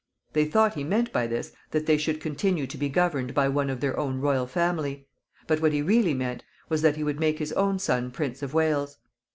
They thought he meant by this that they should continue to be governed by one of their own royal family; but what he really meant was that he would make his own son Prince of Wales.